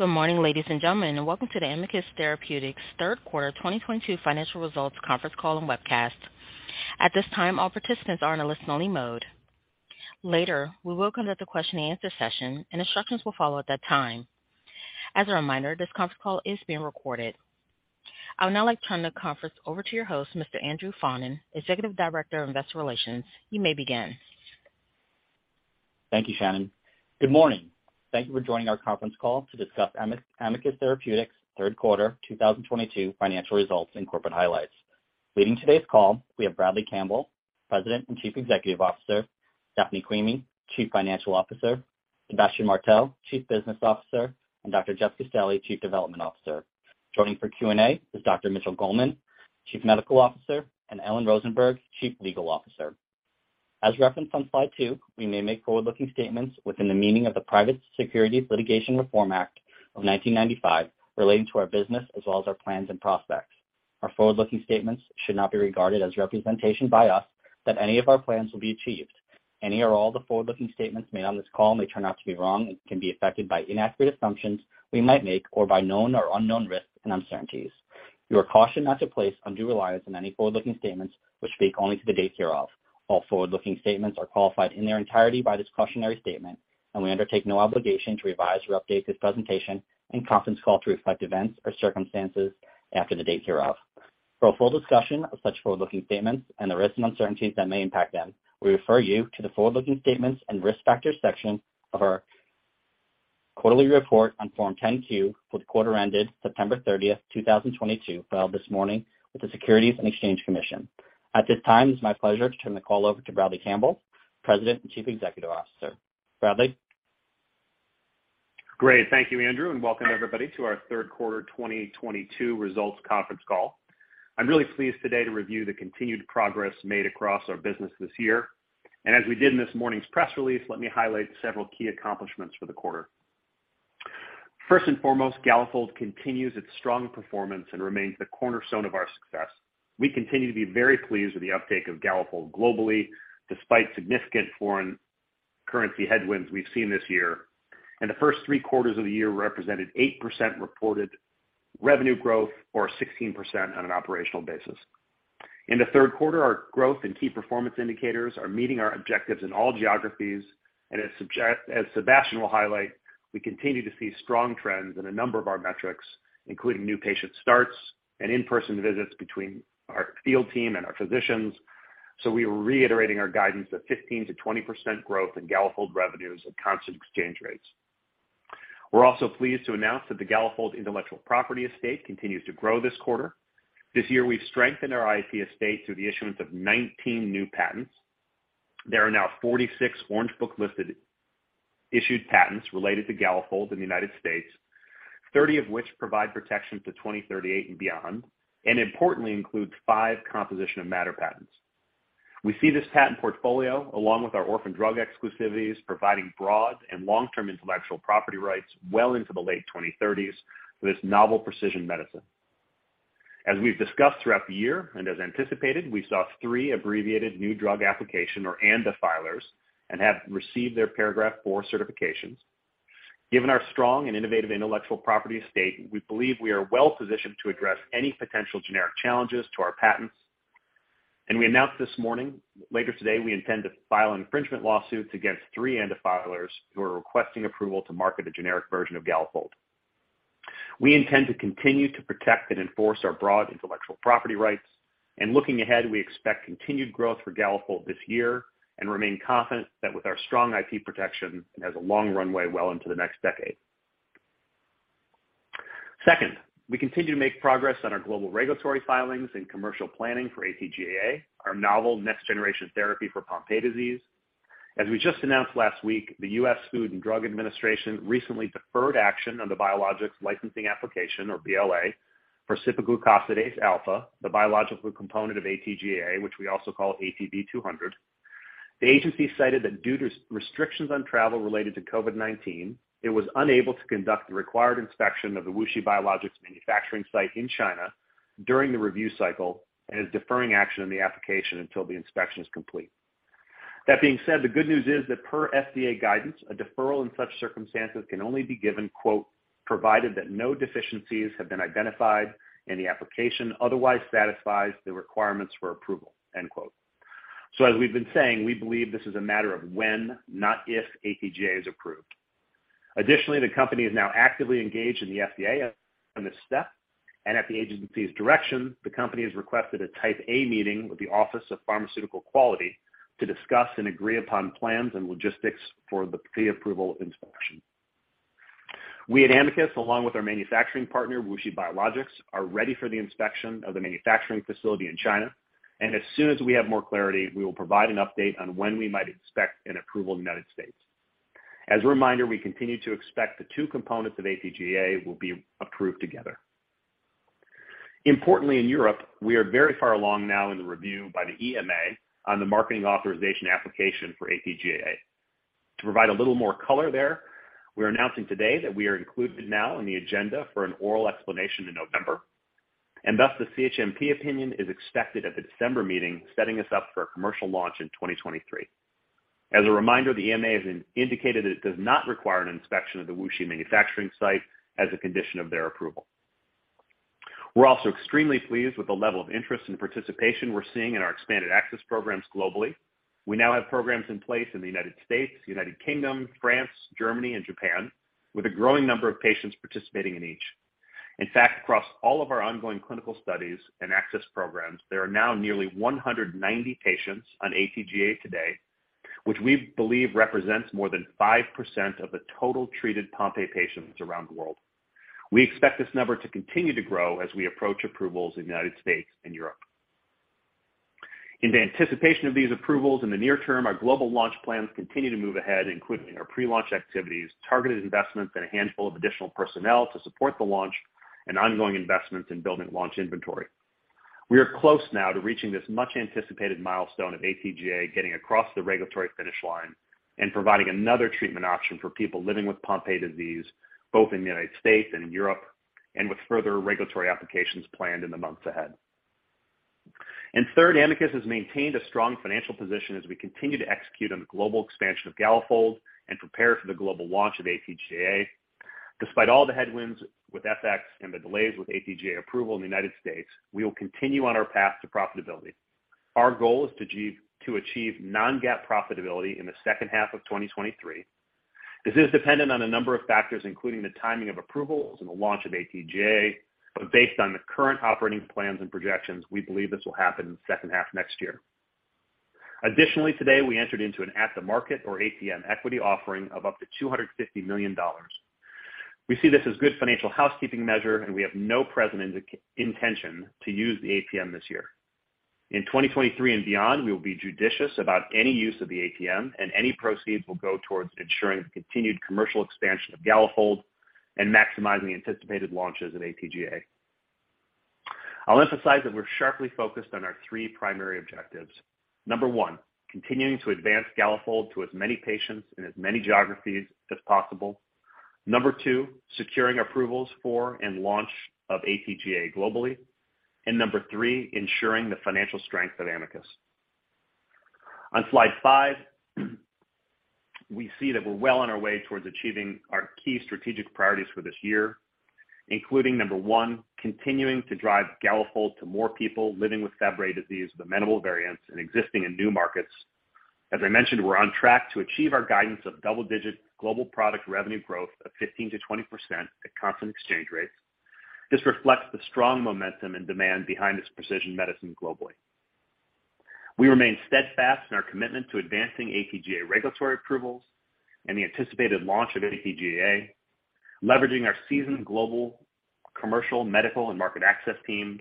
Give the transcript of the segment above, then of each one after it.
Good morning, ladies and gentlemen, and welcome to the Amicus Therapeutics third quarter 2022 financial results conference call and webcast. At this time, all participants are in a listen-only mode. Later, we will conduct a question and answer session and instructions will follow at that time. As a reminder, this conference call is being recorded. I would now like to turn the conference over to your host, Mr. Andrew Faughnan, Executive Director of Investor Relations. You may begin. Thank you, Shannon. Good morning. Thank you for joining our conference call to discuss Amicus Therapeutics third quarter 2022 financial results and corporate highlights. Leading today's call, we have Bradley Campbell, President and Chief Executive Officer, Daphne Quimi, Chief Financial Officer, Sébastien Martel, Chief Business Officer, and Dr. Jeff Castelli, Chief Development Officer. Joining for Q&A is Dr. Mitchell Goldman, Chief Medical Officer, and Ellen Rosenberg, Chief Legal Officer. As referenced on slide 2, we may make forward-looking statements within the meaning of the Private Securities Litigation Reform Act of 1995 relating to our business as well as our plans and prospects. Our forward-looking statements should not be regarded as representation by us that any of our plans will be achieved. Any or all the forward-looking statements made on this call may turn out to be wrong and can be affected by inaccurate assumptions we might make or by known or unknown risks and uncertainties. You are cautioned not to place undue reliance on any forward-looking statements which speak only to the date hereof. All forward-looking statements are qualified in their entirety by this cautionary statement, and we undertake no obligation to revise or update this presentation and conference call to reflect events or circumstances after the date hereof. For a full discussion of such forward-looking statements and the risks and uncertainties that may impact them, we refer you to the forward-looking statements and risk factors section of our quarterly report on Form 10-Q for the quarter ended September 30, 2022, filed this morning with the Securities and Exchange Commission. At this time, it's my pleasure to turn the call over to Bradley Campbell, President and Chief Executive Officer. Bradley. Great. Thank you, Andrew, and welcome everybody to our third quarter 2022 results conference call. I'm really pleased today to review the continued progress made across our business this year. As we did in this morning's press release, let me highlight several key accomplishments for the quarter. First and foremost, Galafold continues its strong performance and remains the cornerstone of our success. We continue to be very pleased with the uptake of Galafold globally, despite significant foreign currency headwinds we've seen this year. The first three quarters of the year represented 8% reported revenue growth or 16% on an operational basis. In the third quarter, our growth and key performance indicators are meeting our objectives in all geographies, and as Sébastien will highlight, we continue to see strong trends in a number of our metrics, including new patient starts and in-person visits between our field team and our physicians. We are reiterating our guidance of 15%-20% growth in Galafold revenues at constant exchange rates. We're also pleased to announce that the Galafold intellectual property estate continues to grow this quarter. This year, we've strengthened our IP estate through the issuance of 19 new patents. There are now 46 Orange Book-listed issued patents related to Galafold in the United States, 30 of which provide protection to 2038 and beyond, and importantly includes 5 composition of matter patents. We see this patent portfolio, along with our orphan drug exclusivities, providing broad and long-term intellectual property rights well into the late 2030s for this novel precision medicine. As we've discussed throughout the year, and as anticipated, we saw three abbreviated new drug application or ANDA filers and have received their Paragraph IV certifications. Given our strong and innovative intellectual property estate, we believe we are well-positioned to address any potential generic challenges to our patents. We announced this morning, later today, we intend to file infringement lawsuits against three ANDA filers who are requesting approval to market a generic version of Galafold. We intend to continue to protect and enforce our broad intellectual property rights. Looking ahead, we expect continued growth for Galafold this year and remain confident that with our strong IP protection, it has a long runway well into the next decade. Second, we continue to make progress on our global regulatory filings and commercial planning for AT-GAAA our novel next-generation therapy for Pompe disease. As we just announced last week, the U.S. Food and Drug Administration recently deferred action on the Biologics Licensing Application, or BLA, for cipaglucosidase alfa, the biological component of AT-GAAA, which we also call ATB200. The agency cited that due to such restrictions on travel related to COVID-19, it was unable to conduct the required inspection of the WuXi Biologics manufacturing site in China during the review cycle and is deferring action on the application until the inspection is complete. That being said, the good news is that per FDA guidance, a deferral in such circumstances can only be given, quote, "provided that no deficiencies have been identified and the application otherwise satisfies the requirements for approval." End quote. As we've been saying, we believe this is a matter of when, not if, AT-GAA is approved. Additionally, the company is now actively engaged in the FDA on this step, and at the agency's direction, the company has requested a Type A meeting with the Office of Pharmaceutical Quality to discuss and agree upon plans and logistics for the pre-approval inspection. We at Amicus, along with our manufacturing partner, WuXi Biologics, are ready for the inspection of the manufacturing facility in China, and as soon as we have more clarity, we will provide an update on when we might expect an approval in the United States. As a reminder, we continue to expect the two components of AT-GAA will be approved together. Importantly, in Europe, we are very far along now in the review by the EMA on the marketing authorization application for AT-GAA. To provide a little more color there, we're announcing today that we are included now in the agenda for an oral explanation in November, and thus the CHMP opinion is expected at the December meeting, setting us up for a commercial launch in 2023. As a reminder, the EMA has indicated that it does not require an inspection of the WuXi manufacturing site as a condition of their approval. We're also extremely pleased with the level of interest and participation we're seeing in our expanded access programs globally. We now have programs in place in the United States, United Kingdom, France, Germany, and Japan, with a growing number of patients participating in each. In fact, across all of our ongoing clinical studies and access programs, there are now nearly 190 patients on AT-GAA today, which we believe represents more than 5% of the total treated Pompe patients around the world. We expect this number to continue to grow as we approach approvals in the United States and Europe. In the anticipation of these approvals in the near term, our global launch plans continue to move ahead, including our pre-launch activities, targeted investments in a handful of additional personnel to support the launch and ongoing investments in building launch inventory. We are close now to reaching this much-anticipated milestone of AT-GAA getting across the regulatory finish line and providing another treatment option for people living with Pompe disease, both in the United States and Europe, and with further regulatory applications planned in the months ahead. Third, Amicus has maintained a strong financial position as we continue to execute on the global expansion of Galafold and prepare for the global launch of AT-GAA. Despite all the headwinds with FX and the delays with AT-GAA approval in the United States, we will continue on our path to profitability. Our goal is to achieve non-GAAP profitability in the second half of 2023. This is dependent on a number of factors, including the timing of approvals and the launch of AT-GAA. Based on the current operating plans and projections, we believe this will happen in the second half of next year. Additionally, today we entered into an at-the-market or ATM equity offering of up to $250 million. We see this as good financial housekeeping measure, and we have no present intention to use the ATM this year. In 2023 and beyond, we will be judicious about any use of the ATM, and any proceeds will go towards ensuring the continued commercial expansion of Galafold and maximizing the anticipated launches of ATGA. I'll emphasize that we're sharply focused on our three primary objectives. Number 1, continuing to advance Galafold to as many patients in as many geographies as possible. Number 2, securing approvals for and launch of ATGA globally. Number 3, ensuring the financial strength of Amicus. On slide 5, we see that we're well on our way towards achieving our key strategic priorities for this year, including number 1, continuing to drive Galafold to more people living with Fabry disease, the amenable variants in existing and new markets. As I mentioned, we're on track to achieve our guidance of double-digit global product revenue growth of 15%-20% at constant exchange rates. This reflects the strong momentum and demand behind this precision medicine globally. We remain steadfast in our commitment to advancing ATGA regulatory approvals and the anticipated launch of ATGA, leveraging our seasoned global commercial, medical and market access teams,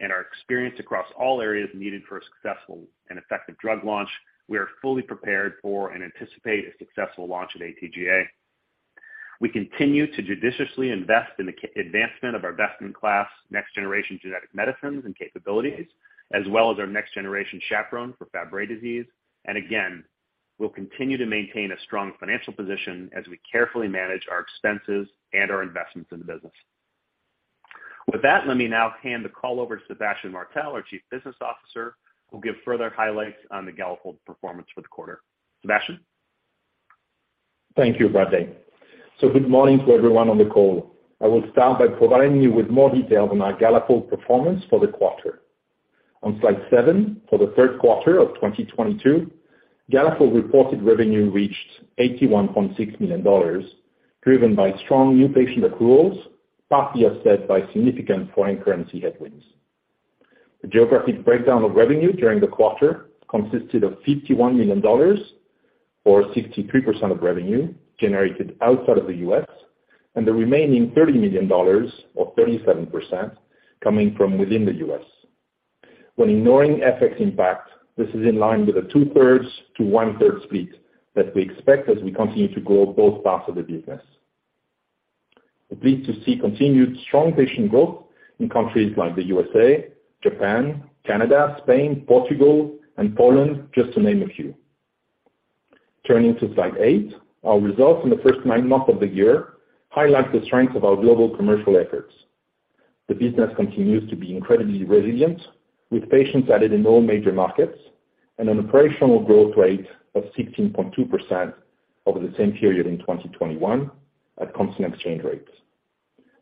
and our experience across all areas needed for a successful and effective drug launch. We are fully prepared for and anticipate a successful launch at ATGA. We continue to judiciously invest in the advancement of our best-in-class next-generation genetic medicines and capabilities, as well as our next-generation chaperone for Fabry disease. We'll continue to maintain a strong financial position as we carefully manage our expenses and our investments in the business. With that, let me now hand the call over to Sébastien Martel, our Chief Business Officer, who'll give further highlights on the Galafold performance for the quarter. Sébastien? Thank you, Bradley. Good morning to everyone on the call. I will start by providing you with more details on our Galafold performance for the quarter. On slide 7, for the third quarter of 2022, Galafold reported revenue reached $81.6 million, driven by strong new patient accruals, partly offset by significant foreign currency headwinds. The geographic breakdown of revenue during the quarter consisted of $51 million, or 63% of revenue generated outside of the US, and the remaining $30 million, or 37%, coming from within the US. When ignoring FX impact, this is in line with a 2/3-1/3 split that we expect as we continue to grow both parts of the business. I'm pleased to see continued strong patient growth in countries like the USA, Japan, Canada, Spain, Portugal, and Poland, just to name a few. Turning to slide 8, our results in the first nine months of the year highlight the strength of our global commercial efforts. The business continues to be incredibly resilient, with patients added in all major markets and an operational growth rate of 16.2% over the same period in 2021 at constant exchange rates.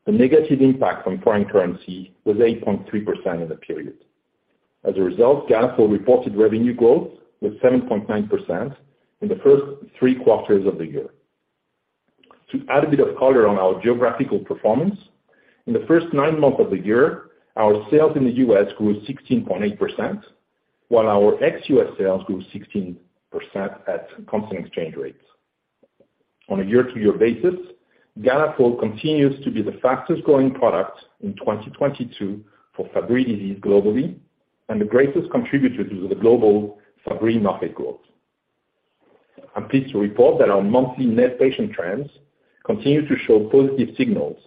The negative impact from foreign currency was 8.3% in the period. As a result, Galafold reported revenue growth was 7.9% in the first three quarters of the year. To add a bit of color on our geographical performance, in the first nine months of the year, our sales in the US grew 16.8%, while our ex-US sales grew 16% at constant exchange rates. On a year-to-year basis, Galafold continues to be the fastest-growing product in 2022 for Fabry disease globally and the greatest contributor to the global Fabry market growth. I'm pleased to report that our monthly net patient trends continue to show positive signals.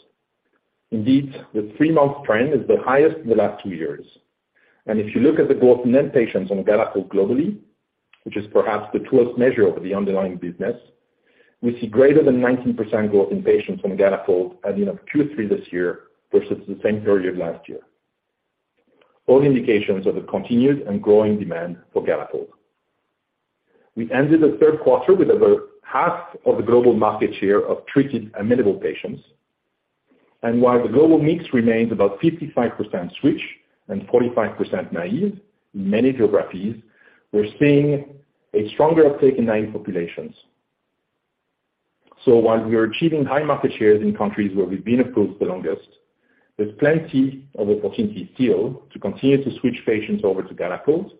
Indeed, the three-month trend is the highest in the last two years. If you look at the growth in net patients on Galafold globally, which is perhaps the truest measure of the underlying business, we see greater than 19% growth in patients on Galafold as of Q3 this year versus the same period last year. All indications of the continued and growing demand for Galafold. We ended the third quarter with about half of the global market share of treated amenable patients. While the global mix remains about 55% switch and 45% naive, in many geographies, we're seeing a stronger uptake in naive populations. While we are achieving high market shares in countries where we've been approved the longest, there's plenty of opportunity still to continue to switch patients over to Galafold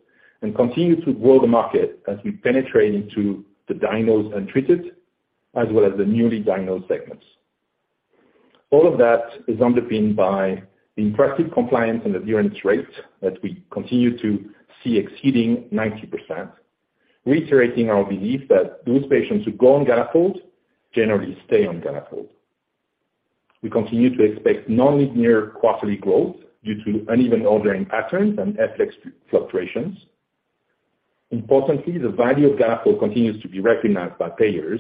and continue to grow the market as we penetrate into the diagnosed and treated, as well as the newly diagnosed segments. All of that is underpinned by the impressive compliance and adherence rates that we continue to see exceeding 90%, reiterating our belief that those patients who go on Galafold generally stay on Galafold. We continue to expect non-linear quarterly growth due to uneven ordering patterns and FX fluctuations. Importantly, the value of Galafold continues to be recognized by payers,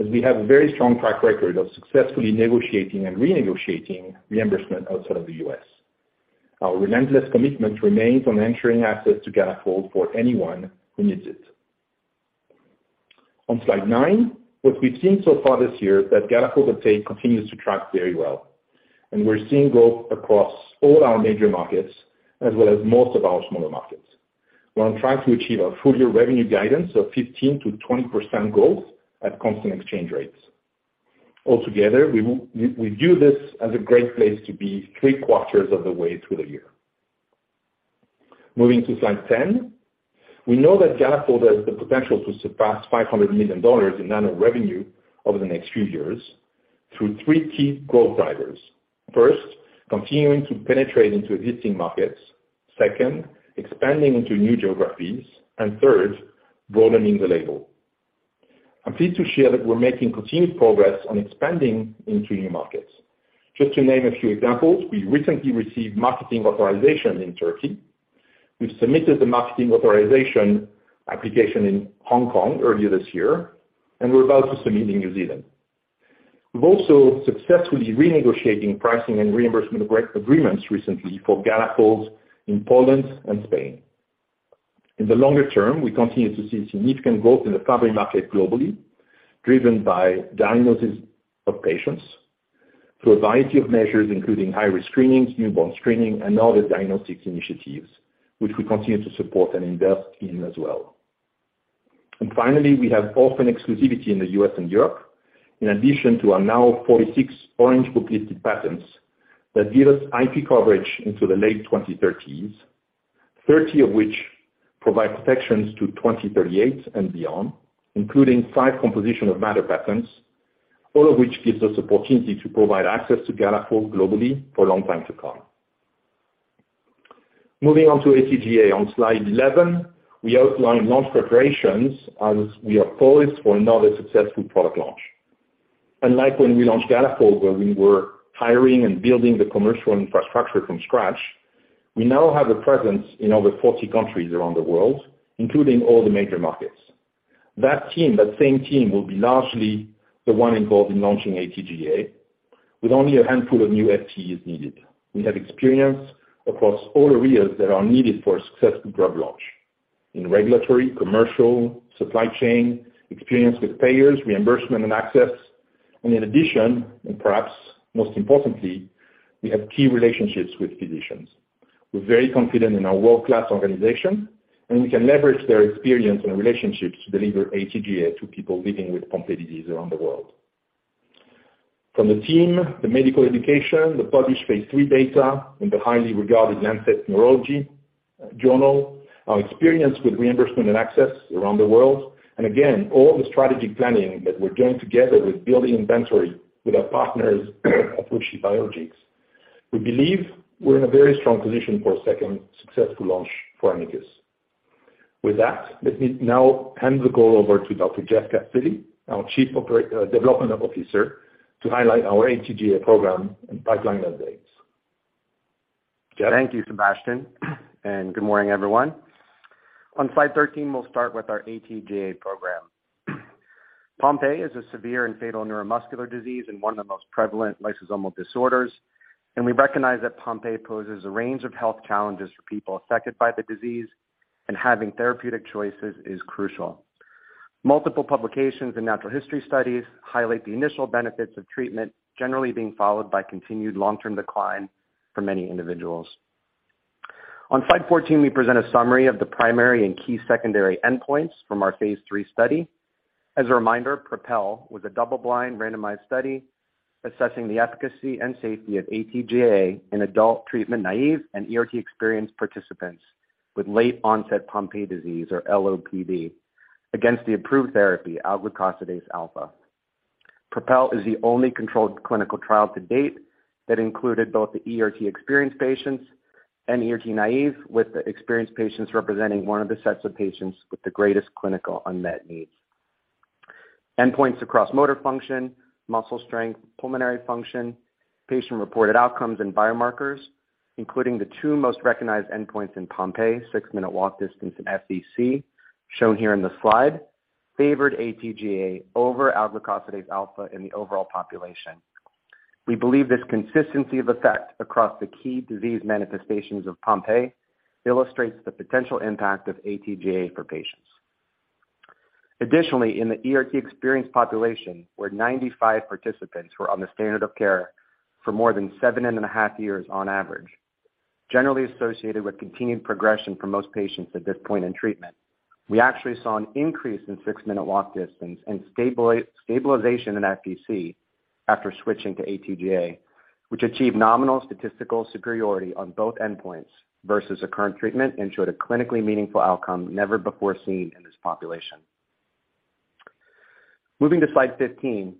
as we have a very strong track record of successfully negotiating and renegotiating reimbursement outside of the U.S. Our relentless commitment remains on ensuring access to Galafold for anyone who needs it. On slide nine, what we've seen so far this year that Galafold uptake continues to track very well, and we're seeing growth across all our major markets as well as most of our smaller markets. We're on track to achieve our full-year revenue guidance of 15%-20% growth at constant exchange rates. Altogether, we view this as a great place to be three quarters of the way through the year. Moving to slide ten. We know that Galafold has the potential to surpass $500 million in annual revenue over the next few years through three key growth drivers. First, continuing to penetrate into existing markets. Second, expanding into new geographies. Third, broadening the label. I'm pleased to share that we're making continued progress on expanding into new markets. Just to name a few examples, we recently received marketing authorization in Turkey. We've submitted the marketing authorization application in Hong Kong earlier this year, and we're about to submit in New Zealand. We've also successfully renegotiating pricing and reimbursement agreements recently for Galafold in Poland and Spain. In the longer term, we continue to see significant growth in the Fabry market globally, driven by diagnosis of patients through a variety of measures, including high-risk screenings, newborn screening, and other diagnostics initiatives, which we continue to support and invest in as well. Finally, we have orphan exclusivity in the U.S. and Europe, in addition to our now 46 Orange Book listed patents that give us IP coverage into the late 2030s, 30 of which provide protections to 2038 and beyond, including five composition of matter patents, all of which gives us opportunity to provide access to Galafold globally for a long time to come. Moving on to ATGA. On slide 11, we outline launch preparations as we are poised for another successful product launch. Unlike when we launched Galafold, where we were hiring and building the commercial infrastructure from scratch, we now have a presence in over 40 countries around the world, including all the major markets. That team, that same team, will be largely the one involved in launching ATGA, with only a handful of new FTEs needed. We have experience across all areas that are needed for a successful drug launch. In regulatory, commercial, supply chain, experience with payers, reimbursement and access. In addition, and perhaps most importantly, we have key relationships with physicians. We're very confident in our world-class organization, and we can leverage their experience and relationships to deliver AT-GAA to people living with Pompe disease around the world. From the team, the medical education, the published phase three data in the highly regarded The Lancet Neurology, our experience with reimbursement and access around the world, and again, all the strategic planning that we're doing together with building inventory with our partners at WuXi Biologics, we believe we're in a very strong position for a second successful launch for Amicus. With that, let me now hand the call over to Dr. Jeff Castelli, our Chief Development Officer, to highlight our AT-GAA program and pipeline updates. Jeff? Thank you, Sébastien, and good morning, everyone. On slide 13, we'll start with our ATGA program. Pompe is a severe and fatal neuromuscular disease and one of the most prevalent lysosomal disorders, and we recognize that Pompe poses a range of health challenges for people affected by the disease, and having therapeutic choices is crucial. Multiple publications and natural history studies highlight the initial benefits of treatment generally being followed by continued long-term decline for many individuals. On slide 14, we present a summary of the primary and key secondary endpoints from our phase 3 study. As a reminder, PROPEL was a double-blind randomized study assessing the efficacy and safety of ATGA in adult treatment naive and ERT-experienced participants with late onset Pompe disease or LOPD against the approved therapy, alglucosidase alfa. PROPEL is the only controlled clinical trial to date that included both the ERT-experienced patients and ERT-naïve, with the experienced patients representing one of the sets of patients with the greatest clinical unmet needs. Endpoints across motor function, muscle strength, pulmonary function, patient-reported outcomes and biomarkers, including the two most recognized endpoints in Pompe, six-minute walk distance and FVC, shown here on the slide, favored AT-GAA over alglucosidase alfa in the overall population. We believe this consistency of effect across the key disease manifestations of Pompe illustrates the potential impact of AT-GAA for patients. In the ERT-experienced population, where 95 participants were on the standard of care for more than 7.5 years on average, generally associated with continued progression for most patients at this point in treatment, we actually saw an increase in six-minute walk distance and stabilization in FVC after switching to AT-GAA, which achieved nominal statistical superiority on both endpoints versus a current treatment and showed a clinically meaningful outcome never before seen in this population. Moving to slide 15,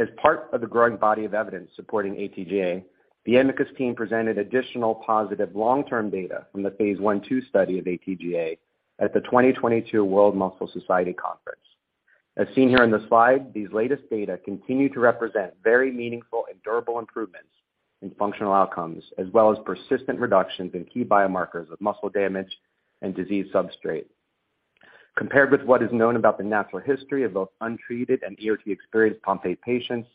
as part of the growing body of evidence supporting AT-GAA, the Amicus team presented additional positive long-term data from the phase 1/2 study of AT-GAA at the 2022 World Muscle Society Conference. As seen here on the slide, these latest data continue to represent very meaningful and durable improvements in functional outcomes, as well as persistent reductions in key biomarkers of muscle damage and disease substrate. Compared with what is known about the natural history of both untreated and ERT-experienced Pompe patients,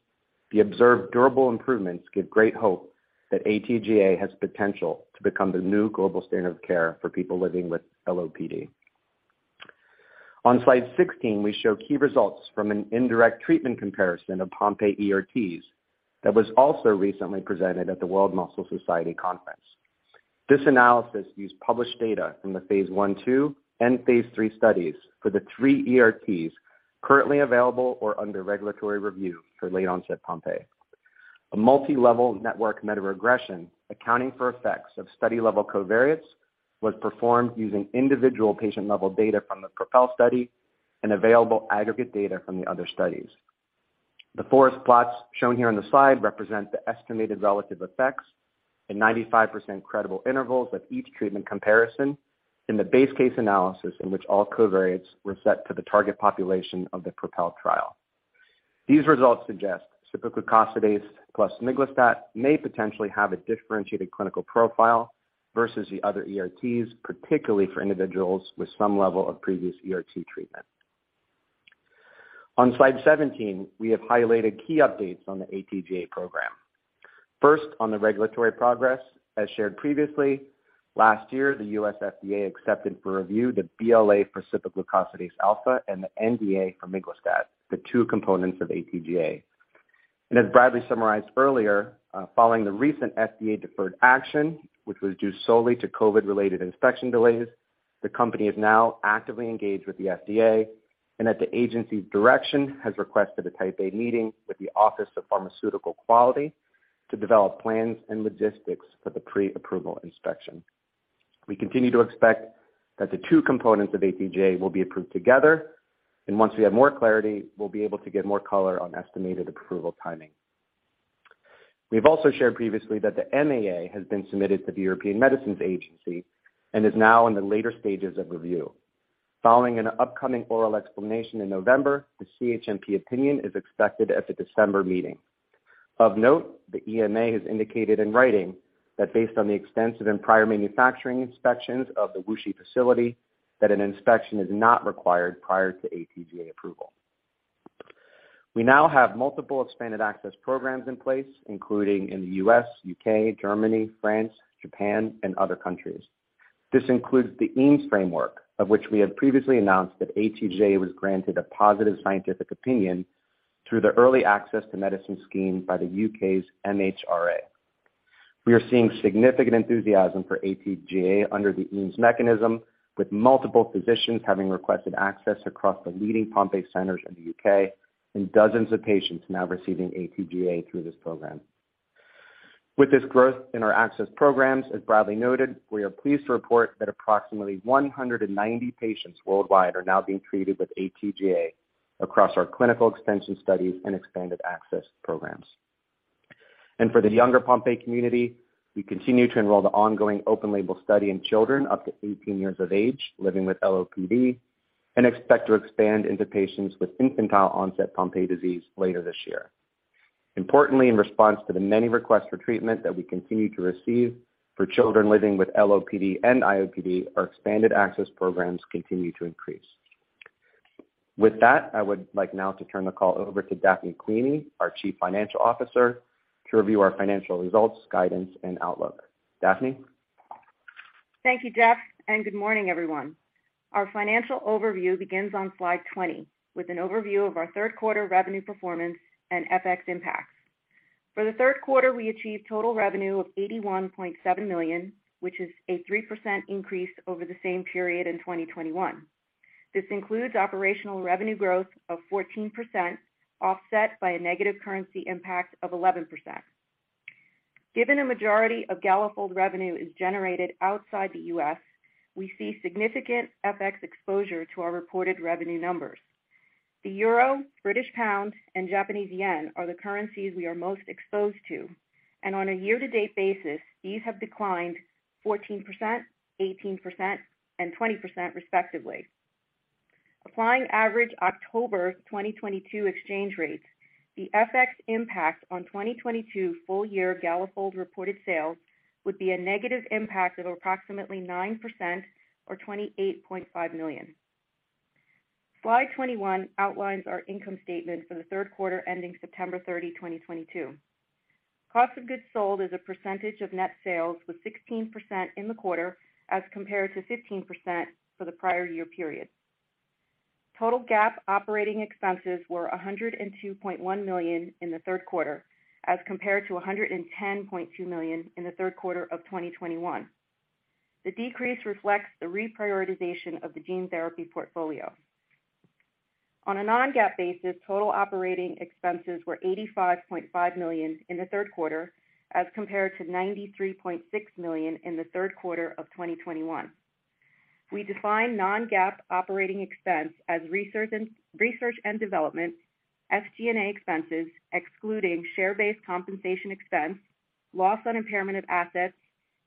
the observed durable improvements give great hope that AT-GAA has potential to become the new global standard of care for people living with LOPD. On slide 16, we show key results from an indirect treatment comparison of Pompe ERTs that was also recently presented at the World Muscle Society Conference. This analysis used published data from the phase 1/2 and phase 3 studies for the 3 ERTs currently available or under regulatory review for late-onset Pompe. A multilevel network meta-regression accounting for effects of study-level covariates was performed using individual patient-level data from the PROPEL study and available aggregate data from the other studies. The forest plots shown here on the slide represent the estimated relative effects in 95% credible intervals of each treatment comparison in the base case analysis in which all covariates were set to the target population of the PROPEL trial. These results suggest cipaglucosidase alfa plus miglustat may potentially have a differentiated clinical profile versus the other ERTs, particularly for individuals with some level of previous ERT treatment. On slide 17, we have highlighted key updates on the ATGA program. First, on the regulatory progress, as shared previously, last year, the U.S. FDA accepted for review the BLA for cipaglucosidase alfa and the NDA for miglustat, the two components of ATGA. As Bradley summarized earlier, following the recent FDA deferred action, which was due solely to COVID-related inspection delays, the company is now actively engaged with the FDA and at the agency's direction, has requested a type A meeting with the Office of Pharmaceutical Quality to develop plans and logistics for the pre-approval inspection. We continue to expect that the two components of ATGA will be approved together, and once we have more clarity, we'll be able to give more color on estimated approval timing. We've also shared previously that the MAA has been submitted to the European Medicines Agency and is now in the later stages of review. Following an upcoming oral explanation in November, the CHMP opinion is expected at the December meeting. Of note, the EMA has indicated in writing that based on the extensive and prior manufacturing inspections of the WuXi facility that an inspection is not required prior to AT-GAA approval. We now have multiple expanded access programs in place, including in the U.S., U.K., Germany, France, Japan, and other countries. This includes the EAMS framework, of which we have previously announced that AT-GAA was granted a positive scientific opinion through the Early Access to Medicine Scheme by the U.K.'s MHRA. We are seeing significant enthusiasm for AT-GAA under the EAMS mechanism, with multiple physicians having requested access across the leading Pompe centers in the U.K. and dozens of patients now receiving AT-GAA through this program. With this growth in our access programs, as Bradley noted, we are pleased to report that approximately 190 patients worldwide are now being treated with ATGA across our clinical extension studies and expanded access programs. For the younger Pompe community, we continue to enroll the ongoing open label study in children up to 18 years of age living with LOPD and expect to expand into patients with infantile-onset Pompe disease later this year. Importantly, in response to the many requests for treatment that we continue to receive for children living with LOPD and IOPD, our expanded access programs continue to increase. With that, I would like now to turn the call over to Daphne Quimi, our Chief Financial Officer, to review our financial results, guidance, and outlook. Daphne? Thank you, Jeff, and good morning, everyone. Our financial overview begins on slide 20 with an overview of our third quarter revenue performance and FX impacts. For the third quarter, we achieved total revenue of $81.7 million, which is a 3% increase over the same period in 2021. This includes operational revenue growth of 14%, offset by a negative currency impact of 11%. Given a majority of Galafold revenue is generated outside the U.S., we see significant FX exposure to our reported revenue numbers. The euro, British pound, and Japanese yen are the currencies we are most exposed to, and on a year-to-date basis, these have declined 14%, 18%, and 20% respectively. Applying average October 2022 exchange rates. The FX impact on 2022 full-year Galafold reported sales would be a negative impact of approximately 9% or $28.5 million. Slide 21 outlines our income statement for the third quarter ending September 30, 2022. Cost of goods sold as a percentage of net sales was 16% in the quarter as compared to 15% for the prior year period. Total GAAP operating expenses were $102.1 million in the third quarter as compared to $110.2 million in the third quarter of 2021. The decrease reflects the reprioritization of the gene therapy portfolio. On a non-GAAP basis, total operating expenses were $85.5 million in the third quarter as compared to $93.6 million in the third quarter of 2021. We define non-GAAP operating expense as research and development, SG&A expenses excluding share-based compensation expense, loss on impairment of assets,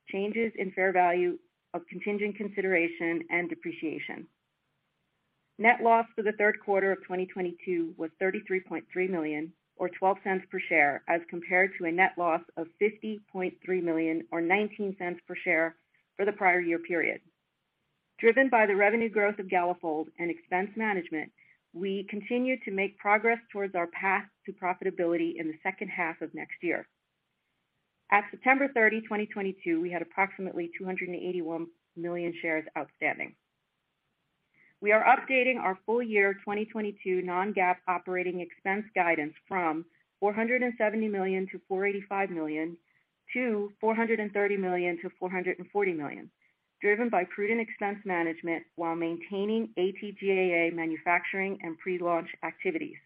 changes in fair value of contingent consideration and depreciation. Net loss for the third quarter of 2022 was $33.3 million or $0.12 per share as compared to a net loss of $50.3 million or $0.19 per share for the prior year period. Driven by the revenue growth of Galafold and expense management, we continue to make progress towards our path to profitability in the second half of next year. At September 30, 2022, we had approximately 281 million shares outstanding. We are updating our full-year 2022 non-GAAP operating expense guidance from $470 million-$485 million to $430 million-$440 million, driven by prudent expense management while maintaining AT-GAAA manufacturing and pre-launch activities.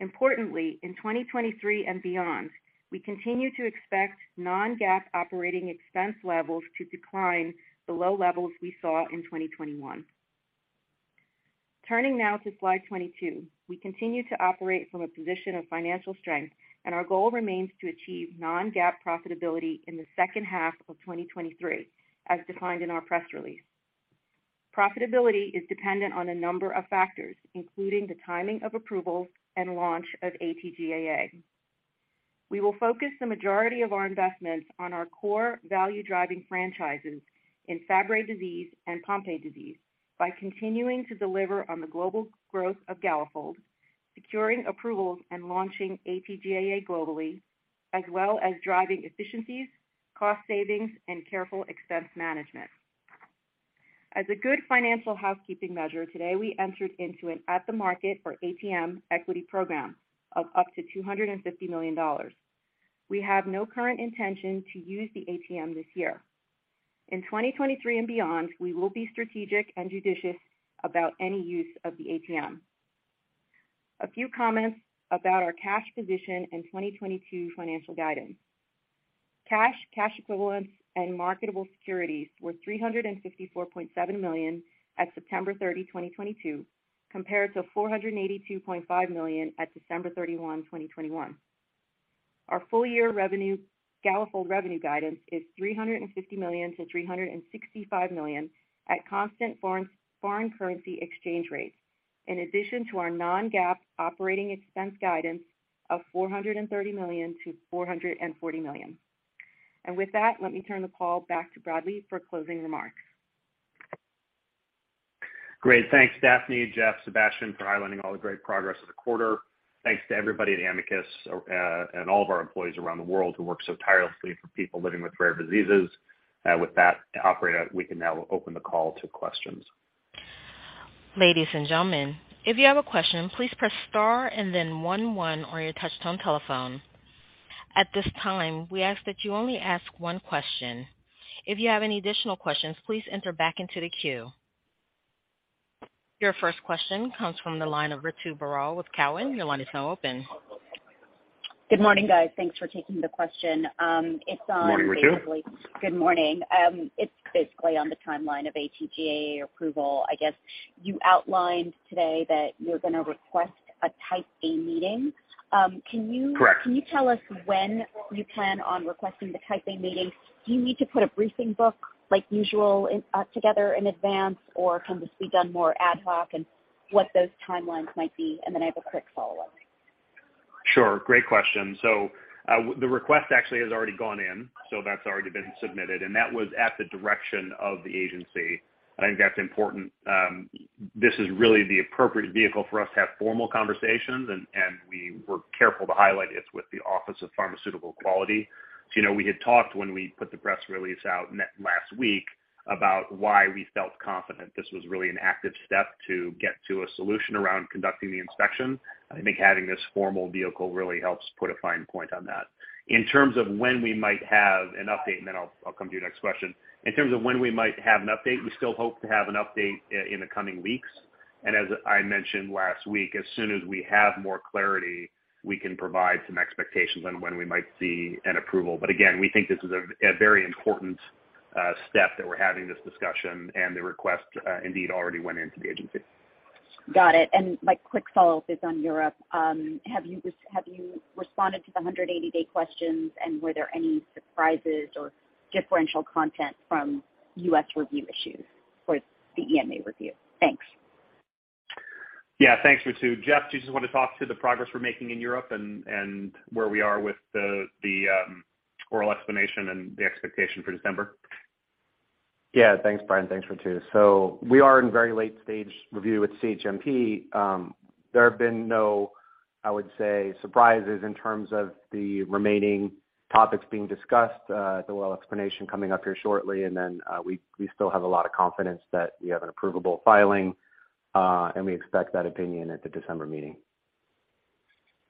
Importantly, in 2023 and beyond, we continue to expect non-GAAP operating expense levels to decline to the low levels we saw in 2021. Turning now to slide 22. We continue to operate from a position of financial strength, and our goal remains to achieve non-GAAP profitability in the second half of 2023 as defined in our press release. Profitability is dependent on a number of factors, including the timing of approvals and launch of AT-GAAA. We will focus the majority of our investments on our core value-driving franchises in Fabry disease and Pompe disease by continuing to deliver on the global growth of Galafold, securing approvals, and launching AT-GAAA globally, as well as driving efficiencies, cost savings, and careful expense management. As a good financial housekeeping measure, today, we entered into an at-the-market, or ATM, equity program of up to $250 million. We have no current intention to use the ATM this year. In 2023 and beyond, we will be strategic and judicious about any use of the ATM. A few comments about our cash position and 2022 financial guidance. Cash, cash equivalents and marketable securities were $354.7 million at September 30, 2022, compared to $482.5 million at December 31, 2021. Our full-year revenue, Galafold revenue guidance is $350 million-$365 million at constant foreign currency exchange rates, in addition to our non-GAAP operating expense guidance of $430 million-$440 million. With that, let me tu rn the call back to Bradley for closing remarks. Great. Thanks, Daphne, Jeff, Sébastien, for highlighting all the great progress of the quarter. Thanks to everybody at Amicus, and all of our employees around the world who work so tirelessly for people living with rare diseases. With that, operator, we can now open the call to questions. Ladies and gentlemen, if you have a question, please press star and then one one on your touch-tone telephone. At this time, we ask that you only ask one question. If you have any additional questions, please enter back into the queue. Your first question comes from the line of Ritu Baral with Cowen. Your line is now open. Good morning, guys. Thanks for taking the question. It's on basically. Good morning, Ritu. Good morning. It's basically on the timeline of AT-GAA approval. I guess you outlined today that you're gonna request a Type A meeting. Can you- Correct. Can you tell us when you plan on requesting the Type A meeting? Do you need to put a briefing book like usual together in advance, or can this be done more ad hoc and what those timelines might be? I have a quick follow-up. Sure. Great question. The request actually has already gone in, so that's already been submitted, and that was at the direction of the agency. I think that's important. This is really the appropriate vehicle for us to have formal conversations, and we were careful to highlight it's with the Office of Pharmaceutical Quality. You know, we had talked when we put the press release out last week about why we felt confident this was really an active step to get to a solution around conducting the inspection. I think having this formal vehicle really helps put a fine point on that. In terms of when we might have an update, and then I'll come to your next question. In terms of when we might have an update, we still hope to have an update in the coming weeks. As I mentioned last week, as soon as we have more clarity, we can provide some expectations on when we might see an approval. again, we think this is a very important step that we're having this discussion and the request indeed already went into the agency. Got it. My quick follow-up is on Europe. Have you responded to the 180-day questions? Were there any surprises or differential content from U.S. review issues? For the EMA review. Thanks. Yeah, thanks, Ritu. Jeff, do you just want to talk about the progress we're making in Europe and where we are with the oral explanation and the expectation for December? Yeah, thanks, Bradley. Thanks, Ritu. We are in very late stage review with CHMP. There have been no, I would say, surprises in terms of the remaining topics being discussed, the oral explanation coming up here shortly. And then, we still have a lot of confidence that we have an approvable filing, and we expect that opinion at the December meeting.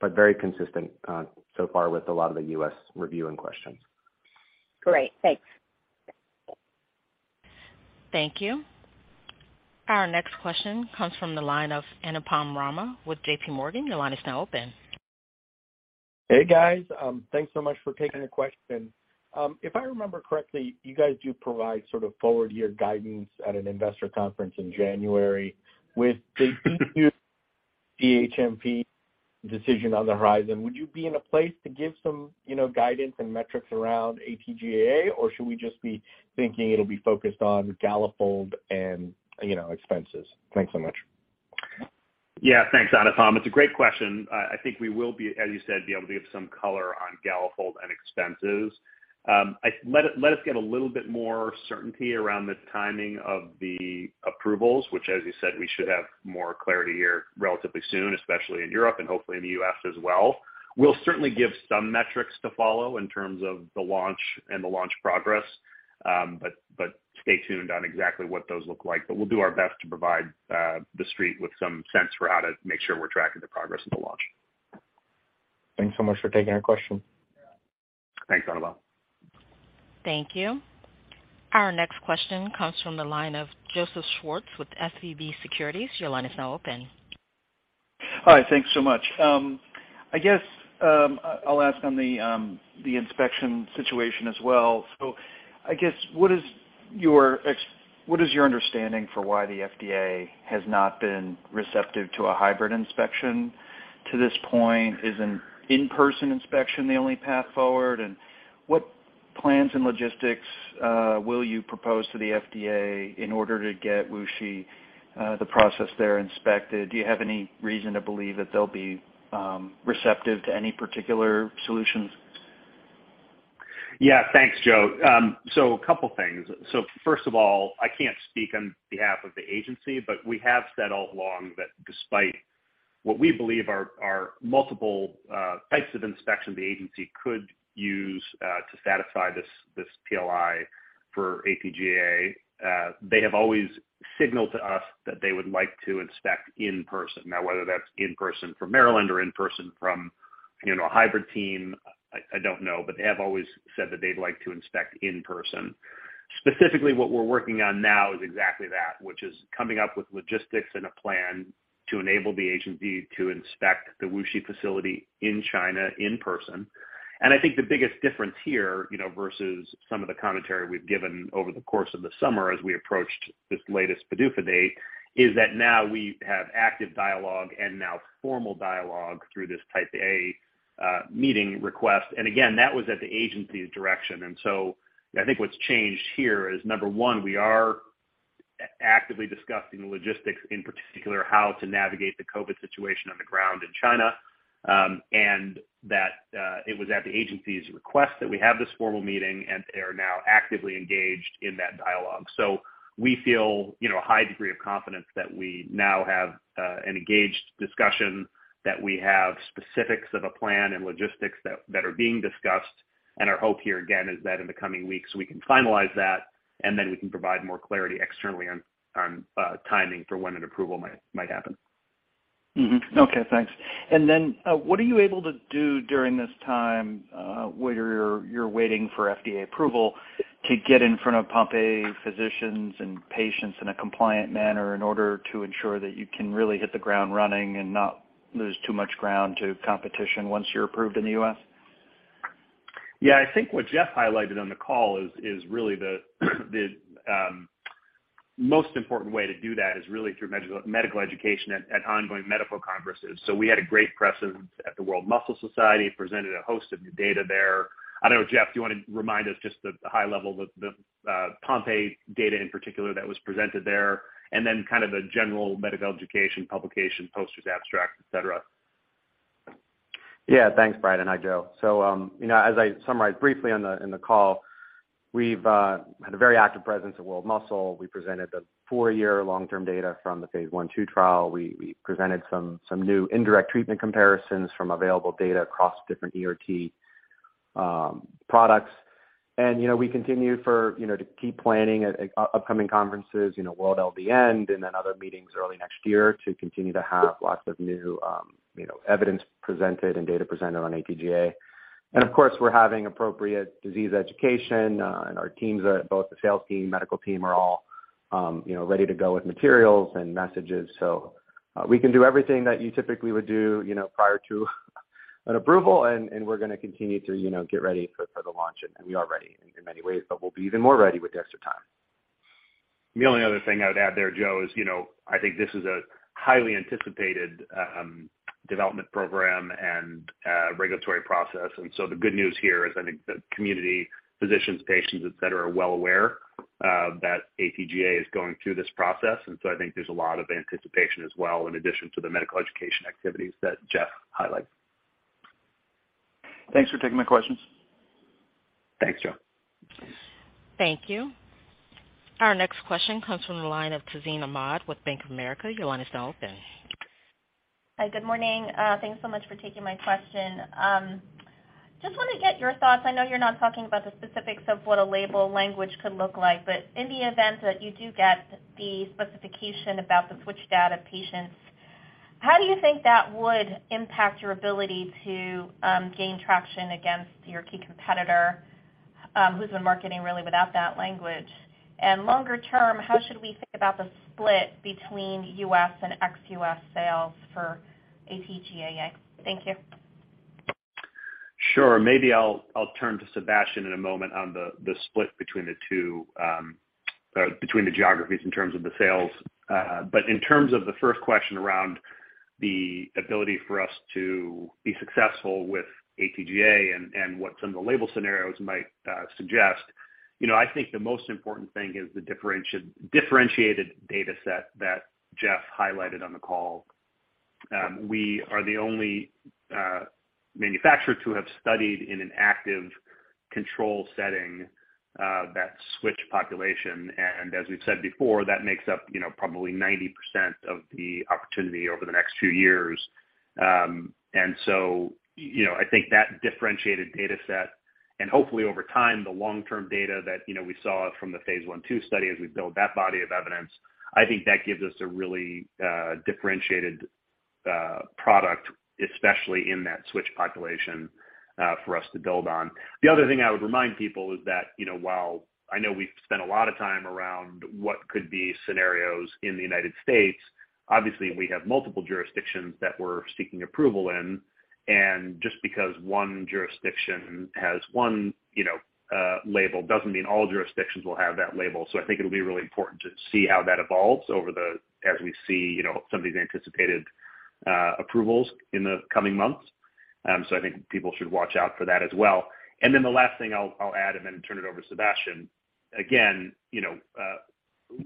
Very consistent, so far with a lot of the U.S. review and questions. Great. Thanks. Thank you. Our next question comes from the line of Anupam Rama with JPMorgan. Your line is now open. Hey, guys. Thanks so much for taking the question. If I remember correctly, you guys do provide sort of forward-year guidance at an investor conference in January. With the CHMP decision on the horizon, would you be in a place to give some, you know, guidance and metrics around ATGA? Or should we just be thinking it'll be focused on Galafold and, you know, expenses? Thanks so much. Yeah. Thanks, Anupam. It's a great question. I think we will be, as you said, able to give some color on Galafold and expenses. Let us get a little bit more certainty around the timing of the approvals, which, as you said, we should have more clarity here relatively soon, especially in Europe and hopefully in the U.S. as well. We'll certainly give some metrics to follow in terms of the launch and the launch progress, but stay tuned on exactly what those look like. We'll do our best to provide the Street with some sense for how to make sure we're tracking the progress of the launch. Thanks so much for taking our question. Thanks, Anupam. Thank you. Our next question comes from the line of Joseph Schwartz with SVB Securities. Your line is now open. Hi. Thanks so much. I guess, I'll ask on the inspection situation as well. I guess what is your understanding for why the FDA has not been receptive to a hybrid inspection to this point? Is an in-person inspection the only path forward? What plans and logistics will you propose to the FDA in order to get WuXi, the process there inspected? Do you have any reason to believe that they'll be, receptive to any particular solutions? Yeah. Thanks, Joe. A couple things. First of all, I can't speak on behalf of the agency, but we have said all along that despite what we believe are multiple types of inspection the agency could use to satisfy this PAI for AT-GAA, they have always signaled to us that they would like to inspect in person. Now, whether that's in person from Maryland or in person from, you know, a hybrid team, I don't know, but they have always said that they'd like to inspect in person. Specifically, what we're working on now is exactly that, which is coming up with logistics and a plan to enable the agency to inspect the WuXi facility in China in person. I think the biggest difference here, you know, versus some of the commentary we've given over the course of the summer as we approached this latest PDUFA date, is that now we have active dialogue and now formal dialogue through this Type A meeting request. Again, that was at the agency's direction. I think what's changed here is, number one, we are actively discussing the logistics, in particular, how to navigate the COVID situation on the ground in China, and that it was at the agency's request that we have this formal meeting, and they are now actively engaged in that dialogue. We feel, you know, a high degree of confidence that we now have an engaged discussion, that we have specifics of a plan and logistics that are being discussed. Our hope here, again, is that in the coming weeks, we can finalize that, and then we can provide more clarity externally on timing for when an approval might happen. Okay, thanks. What are you able to do during this time, where you're waiting for FDA approval to get in front of Pompe physicians and patients in a compliant manner in order to ensure that you can really hit the ground running and not lose too much ground to competition once you're approved in the U.S.? Yeah. I think what Jeff highlighted on the call is really the most important way to do that is really through medical education at ongoing medical conferences. We had a great presence at the World Muscle Society, presented a host of new data there. I know, Jeff, do you wanna remind us just the high level Pompe data in particular that was presented there, and then kind of the general medical education publication, posters, abstracts, et cetera? Yeah. Thanks, Bradley, and hi, Joseph. You know, as I summarized briefly in the call, we've had a very active presence at World Muscle. We presented the 4-year long-term data from the phase 1/2 trial. We presented some new indirect treatment comparisons from available data across different ERT products. You know, we continue to keep planning at upcoming conferences, you know, World LDN and then other meetings early next year to continue to have lots of new evidence presented and data presented on AT-GAA. Of course, we're having appropriate disease education, and our teams, both the sales team, medical team are all ready to go with materials and messages. We can do everything that you typically would do, you know, prior to an approval, and we're gonna continue to, you know, get ready for the launch. We are ready in many ways, but we'll be even more ready with the extra time. The only other thing I would add there, Joe, is, you know, I think this is a highly anticipated, development program and, regulatory process. The good news here is I think the community physicians, patients, et cetera, are well aware that ATGA is going through this process. I think there's a lot of anticipation as well in addition to the medical education activities that Jeff highlighted. Thanks for taking my questions. Thanks, Joe. Thank you. Our next question comes from the line of Tazeen Ahmad with Bank of America. Your line is now open. Hi, good morning. Thanks so much for taking my question. Just wanna get your thoughts. I know you're not talking about the specifics of what a label language could look like, but in the event that you do get the specification about the switch data patients, how do you think that would impact your ability to gain traction against your key competitor, who's been marketing really without that language? Longer term, how should we think about the split between U.S. and ex-U.S. sales for AT-GAA? Thank you. Sure. Maybe I'll turn to Sébastien in a moment on the split between the two, or between the geographies in terms of the sales. But in terms of the first question around the ability for us to be successful with ATGA and what some of the label scenarios might suggest, you know, I think the most important thing is the differentiated data set that Jeff highlighted on the call. We are the only manufacturer to have studied in an active control setting that switch population. As we've said before, that makes up, you know, probably 90% of the opportunity over the next few years. You know, I think that differentiated data set and hopefully over time, the long-term data that, you know, we saw from the phase 1, 2 study as we build that body of evidence. I think that gives us a really differentiated product, especially in that switch population for us to build on. The other thing I would remind people is that, you know, while I know we've spent a lot of time around what could be scenarios in the United States, obviously we have multiple jurisdictions that we're seeking approval in. Just because one jurisdiction has one, you know, label doesn't mean all jurisdictions will have that label. I think it'll be really important to see how that evolves as we see, you know, some of these anticipated approvals in the coming months. I think people should watch out for that as well. Then the last thing I'll add and then turn it over to Sébastien. Again, you know,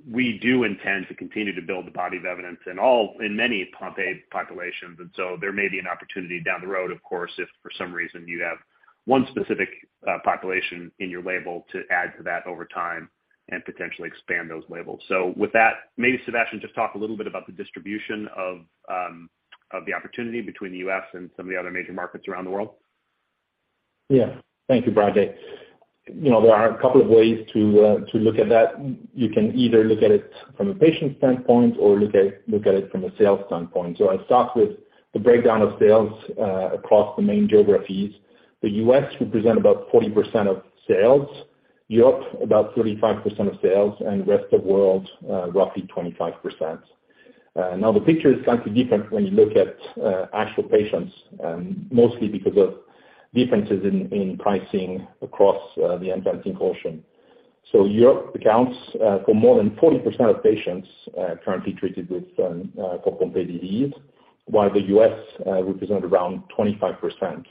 we do intend to continue to build the body of evidence in all, in many Pompe populations. There may be an opportunity down the road, of course, if for some reason you have one specific population in your label to add to that over time and potentially expand those labels. With that, maybe Sébastien, just talk a little bit about the distribution of the opportunity between the U.S. and some of the other major markets around the world. Yeah. Thank you, Bradley. You know, there are a couple of ways to look at that. You can either look at it from a patient standpoint or look at it from a sales standpoint. I'll start with the breakdown of sales across the main geographies. The US represent about 40% of sales, Europe about 35% of sales, and rest of world roughly 25%. Now the picture is slightly different when you look at actual patients, mostly because of differences in pricing across the enzyme portion. Europe accounts for more than 40% of patients currently treated for Pompe disease, while the US represent around 25%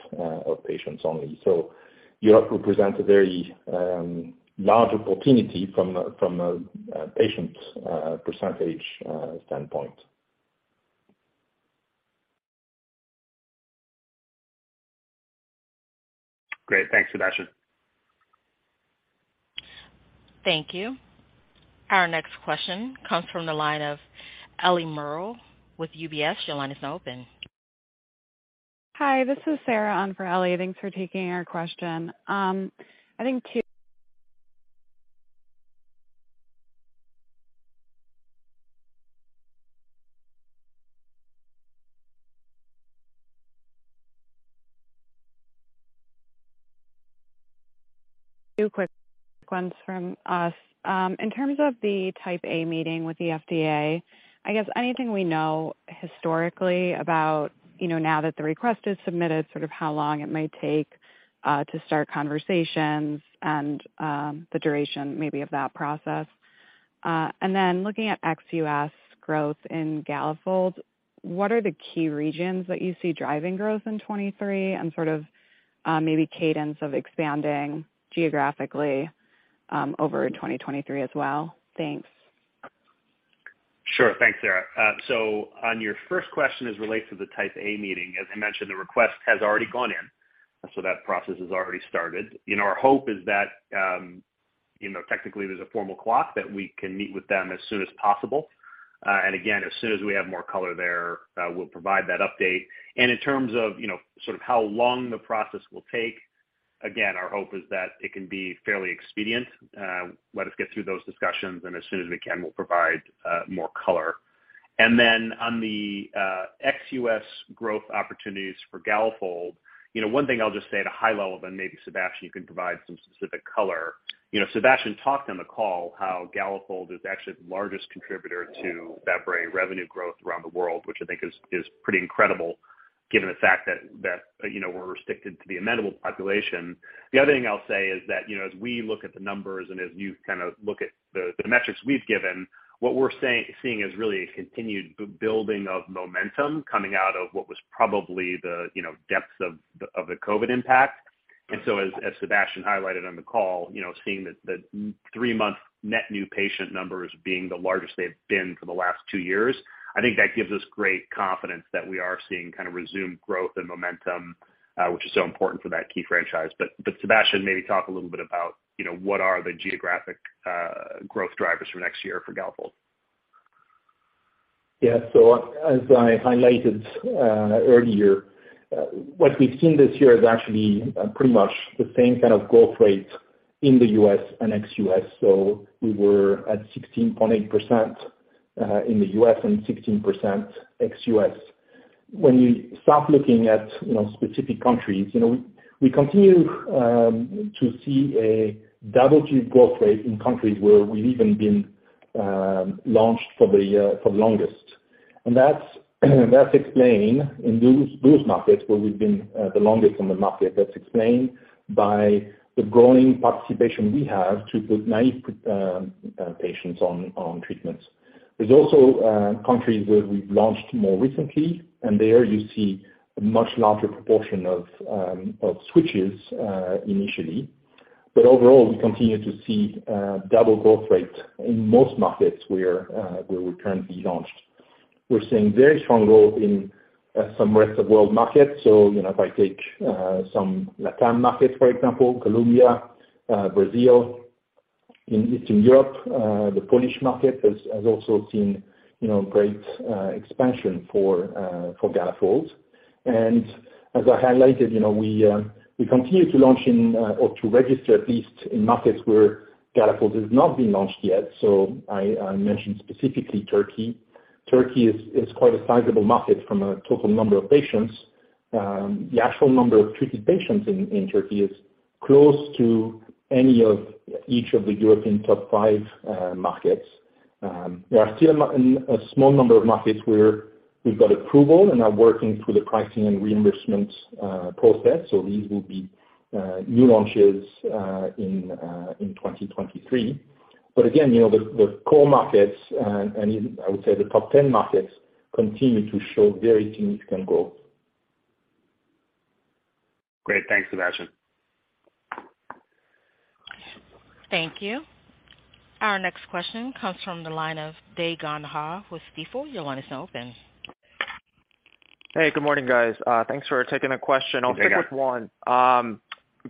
of patients only. Europe represents a very large opportunity from the patients percentage standpoint. Great. Thanks, Sébastien. Thank you. Our next question comes from the line of Eliana Merle with UBS. Your line is now open. Hi, this is Sarah on for Ellie. Thanks for taking our question. I think two quick ones from us. In terms of the Type A meeting with the FDA, I guess anything we know historically about, you know, now that the request is submitted, sort of how long it might take to start conversations and the duration maybe of that process? Looking at ex-U.S. growth in Galafold, what are the key regions that you see driving growth in 2023 and sort of maybe cadence of expanding geographically over in 2023 as well? Thanks. Sure. Thanks, Sarah. On your first question as it relates to the Type A meeting, as I mentioned, the request has already gone in, so that process has already started. You know, our hope is that, you know, technically there's a formal clock that we can meet with them as soon as possible. Again, as soon as we have more color there, we'll provide that update. In terms of, you know, sort of how long the process will take, again, our hope is that it can be fairly expedient. Let us get through those discussions, and as soon as we can, we'll provide more color. Then on the ex-US growth opportunities for Galafold, you know, one thing I'll just say at a high level, then maybe Sébastien, you can provide some specific color. You know, Sébastien talked on the call how Galafold is actually the largest contributor to Fabry revenue growth around the world, which I think is pretty incredible given the fact that, you know, we're restricted to the amenable population. The other thing I'll say is that, you know, as we look at the numbers and as you kind of look at the metrics we've given, what we're seeing is really a continued building of momentum coming out of what was probably the, you know, depths of the COVID impact. As Sébastien highlighted on the call, you know, seeing the three-month net new patient numbers being the largest they've been for the last two years, I think that gives us great confidence that we are seeing kind of resumed growth and momentum, which is so important for that key franchise. Sébastien, maybe talk a little bit about, you know, what are the geographic growth drivers for next year for Galafold? Yeah. As I highlighted earlier, what we've seen this year is actually pretty much the same kind of growth rate in the US and ex-US. We were at 16.8% in the US and 16% ex-US. When you start looking at, you know, specific countries, you know, we continue to see a double-digit growth rate in countries where we've been launched for the longest. That's explained in those markets where we've been the longest in the market by the growing participation we have in putting naïve patients on treatments. There's also countries where we've launched more recently, and there you see a much larger proportion of switches initially. Overall, we continue to see double-digit growth rate in most markets where we're currently launched. We're seeing very strong growth in some rest of world markets. You know, if I take some Latin markets, for example, Colombia, Brazil. In Eastern Europe, the Polish market has also seen, you know, great expansion for Galafold. As I highlighted, you know, we continue to launch in or to register at least in markets where Galafold has not been launched yet. I mentioned specifically Turkey. Turkey is quite a sizable market from a total number of patients. The actual number of treated patients in Turkey is close to any of each of the European top five markets. There are still a small number of markets where we've got approval and are working through the pricing and reimbursement process. These will be new launches in 2023. Again, you know, the core markets and even I would say the top 10 markets continue to show very significant growth. Great. Thanks, Sébastien. Thank you. Our next question comes from the line of Dae Gon Ha with Stifel. Your line is now open. Hey, good morning, guys. Thanks for taking the question. Hey, Dae Gon. I'll start with one.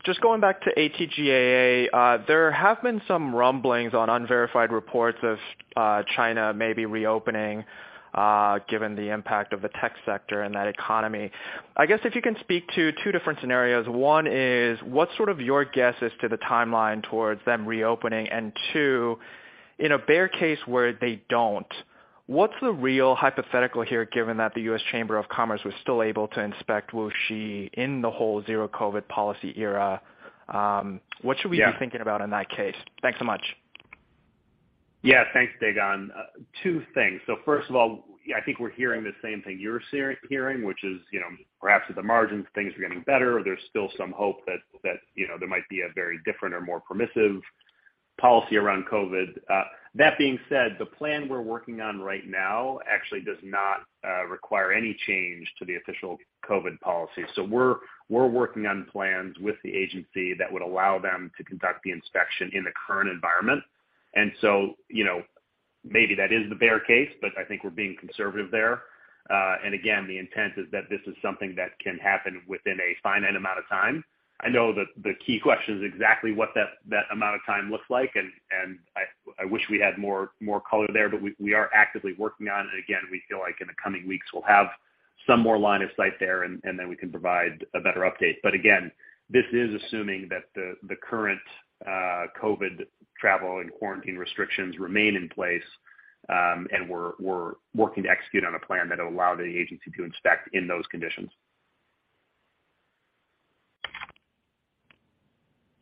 Just going back to AT-GAA, there have been some rumblings on unverified reports of China maybe reopening, given the impact of the tech sector and that economy. I guess if you can speak to two different scenarios. One is, what sort of your guess as to the timeline towards them reopening? And two, in a bear case where they don't, what's the real hypothetical here, given that the U.S. Department of Commerce was still able to inspect WuXi Biologics in the whole Zero-COVID policy era? What should we Yeah. Be thinking about in that case? Thanks so much. Yeah, thanks, Dae Gon. Two things. First of all, I think we're hearing the same thing you're hearing, which is, you know, perhaps at the margins, things are getting better. There's still some hope that, you know, there might be a very different or more permissive policy around COVID. That being said, the plan we're working on right now actually does not require any change to the official COVID policy. We're working on plans with the agency that would allow them to conduct the inspection in the current environment. You know, maybe that is the bear case, but I think we're being conservative there. And again, the intent is that this is something that can happen within a finite amount of time. I know the key question is exactly what that amount of time looks like, and I wish we had more color there, but we are actively working on it. Again, we feel like in the coming weeks, we'll have some more line of sight there, and then we can provide a better update. Again, this is assuming that the current COVID travel and quarantine restrictions remain in place, and we're working to execute on a plan that will allow the agency to inspect in those conditions.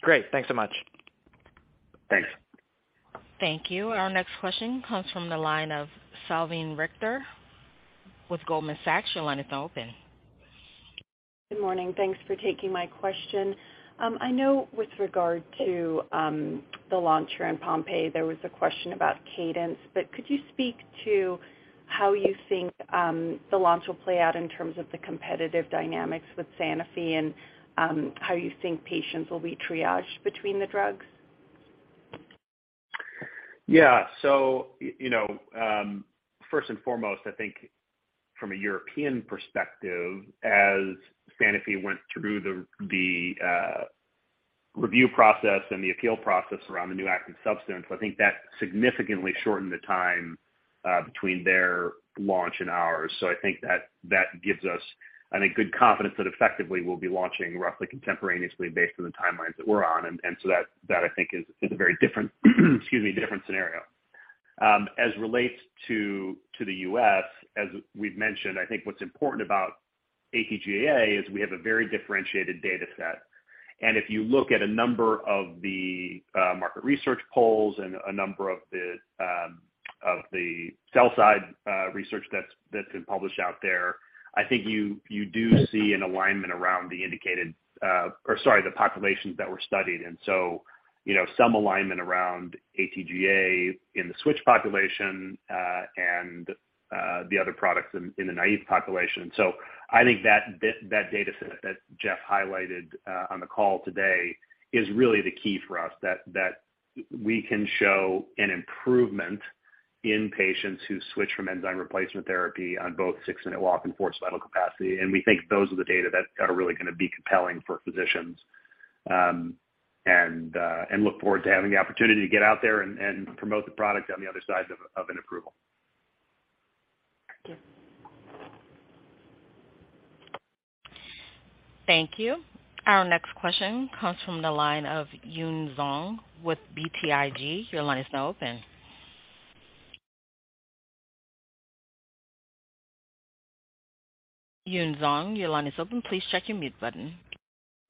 Great. Thanks so much. Thanks. Thank you. Our next question comes from the line of Salveen Richter with Goldman Sachs. Your line is open. Good morning. Thanks for taking my question. I know with regard to the launch here in Pompe, there was a question about cadence, but could you speak to how you think the launch will play out in terms of the competitive dynamics with Sanofi and how you think patients will be triaged between the drugs? Yeah. You know, first and foremost, I think from a European perspective, as Sanofi went through the review process and the appeal process around the new active substance, I think that significantly shortened the time between their launch and ours. I think that gives us, I think, good confidence that effectively we'll be launching roughly contemporaneously based on the timelines that we're on. That I think is a very different scenario. As relates to the U.S., as we've mentioned, I think what's important about AT-GAA is we have a very differentiated data set. If you look at a number of the market research polls and a number of the sell-side research that's been published out there. I think you do see an alignment around the indicated populations that were studied. You know, some alignment around AT-GAA in the switch population and the other products in the naive population. I think that data set that Jeff highlighted on the call today is really the key for us, that we can show an improvement in patients who switch from enzyme replacement therapy on both six-minute walk and forced vital capacity. We think those are the data that are really gonna be compelling for physicians. Look forward to having the opportunity to get out there and promote the product on the other side of an approval. Thank you. Thank you. Our next question comes from the line of Yun Zhong with BTIG. Your line is now open. Yun Zhong, your line is open. Please check your mute button.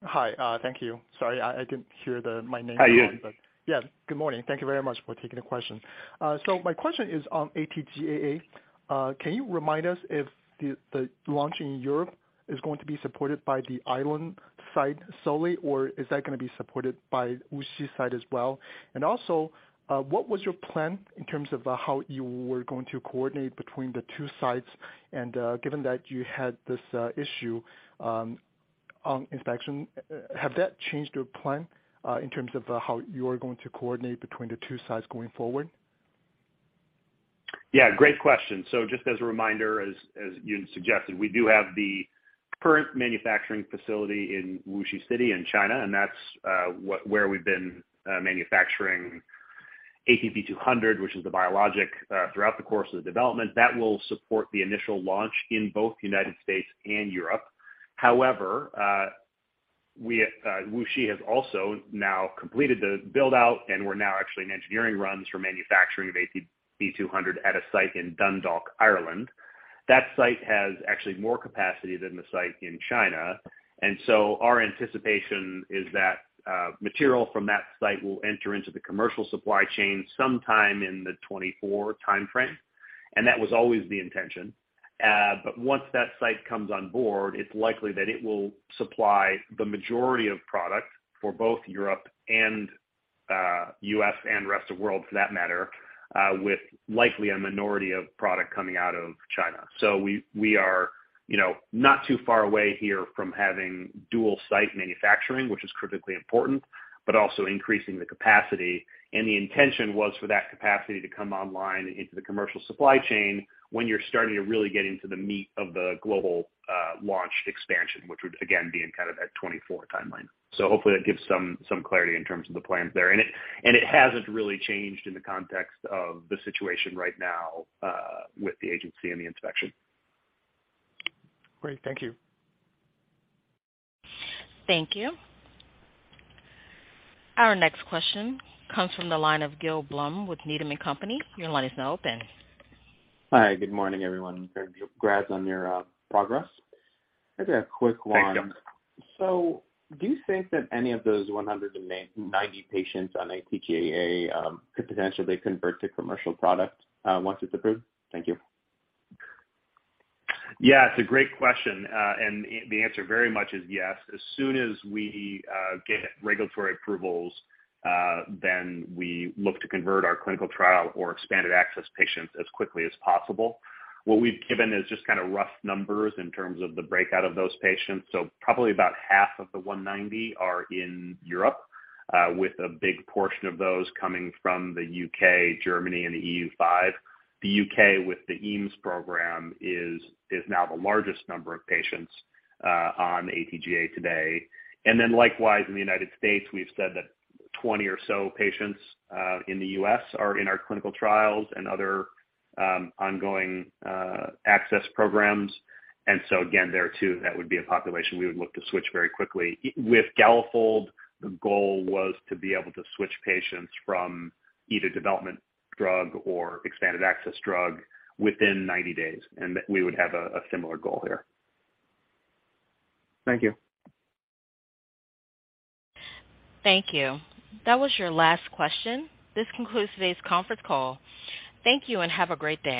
Hi. Thank you. Sorry, I didn't hear my name. Hi, Yun. Yeah, good morning. Thank you very much for taking the question. So my question is on ATGA. Can you remind us if the launch in Europe is going to be supported by the Ireland site solely, or is that gonna be supported by WuXi site as well? And also, what was your plan in terms of how you were going to coordinate between the two sites and, given that you had this issue on inspection, have that changed your plan in terms of how you are going to coordinate between the two sites going forward? Yeah, great question. So just as a reminder, as Yun suggested, we do have the current manufacturing facility in WuXi City in China, and that's where we've been manufacturing ATB200, which is the biologic throughout the course of the development that will support the initial launch in both United States and Europe. However, WuXi has also now completed the build out, and we're now actually in engineering runs for manufacturing of ATB200 at a site in Dundalk, Ireland. That site has actually more capacity than the site in China. Our anticipation is that material from that site will enter into the commercial supply chain sometime in the 2024 timeframe. That was always the intention. Once that site comes on board, it's likely that it will supply the majority of product for both Europe and US, and rest of world for that matter, with likely a minority of product coming out of China. We are, you know, not too far away here from having dual site manufacturing, which is critically important, but also increasing the capacity. The intention was for that capacity to come online into the commercial supply chain when you're starting to really get into the meat of the global launch expansion, which would again be in kind of that 2024 timeline. Hopefully that gives some clarity in terms of the plans there. It hasn't really changed in the context of the situation right now with the agency and the inspection. Great. Thank you. Thank you. Our next question comes from the line of Gil Blum with Needham & Company. Your line is now open. Hi. Good morning, everyone. Congrats on your progress. I just a quick one. Thanks, Gil. Do you think that any of those 90 patients on AT-GAA could potentially convert to commercial product once it's approved? Thank you. Yeah, it's a great question. The answer very much is yes. As soon as we get regulatory approvals, then we look to convert our clinical trial or expanded access patients as quickly as possible. What we've given is just kinda rough numbers in terms of the breakout of those patients. Probably about half of the 190 are in Europe, with a big portion of those coming from the UK, Germany and the EU5. The UK with the EAMS program is now the largest number of patients on AT-GAA today. Likewise in the United States, we've said that 20 or so patients in the U.S. are in our clinical trials and other ongoing access programs. Again, there too, that would be a population we would look to switch very quickly. With Galafold, the goal was to be able to switch patients from either development drug or expanded access drug within 90 days, and we would have a similar goal here. Thank you. Thank you. That was your last question. This concludes today's conference call. Thank you and have a great day.